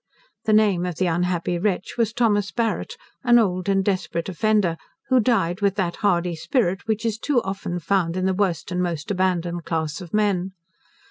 The name of the unhappy wretch was Thomas Barret, an old and desperate offender, who died with that hardy spirit, which too often is found in the worst and most abandoned class of men.